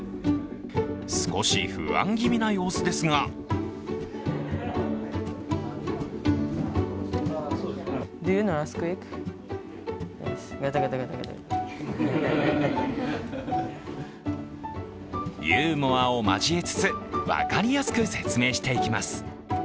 少し不安気味な様子ですがユーモアを交えつつ、分かりやすく説明していきます。